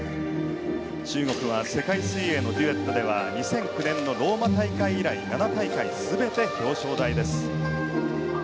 中国は世界水泳のデュエットでは２００９年のローマ大会以来７大会全て表彰台です。